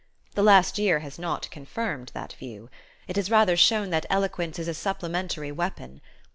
The last year has not confirmed that view. It has rather shown that eloquence is a supplementary weapon.